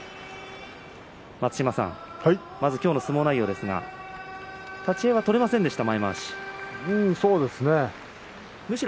待乳山さん、まず今日の相撲内容ですが立ち合いは取れませんでした前まわし。